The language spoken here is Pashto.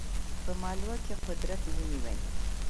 په مالوه کې قدرت ونیوی.